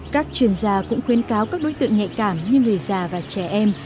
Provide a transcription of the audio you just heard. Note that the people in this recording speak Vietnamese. các chuyên gia cũng khuyến cáo các đối tượng nhạy cảm như người già và trẻ em